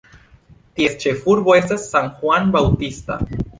Ties ĉefurbo estas San Juan Bautista.